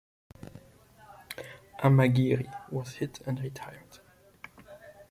"Amagiri" was hit and retired.